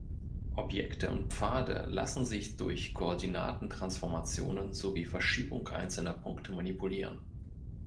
Objekte und Pfade lassen sich durch Koordinatentransformationen sowie Verschiebung einzelner Punkte manipulieren.